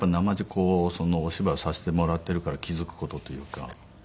こうお芝居をさせてもらっているから気付く事というか。